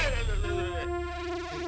pak aku kena akut